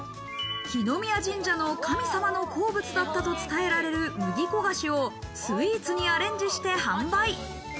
來宮神社の神様の好物だったと伝えられる麦こがしをスイーツにアレンジして販売。